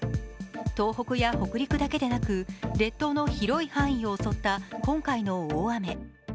東北や北陸だけでなく列島の広い範囲を襲った今回の大雨。